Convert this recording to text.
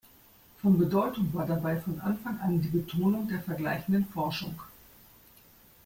Von Bedeutung war dabei von Anfang an die Betonung der vergleichenden Forschung.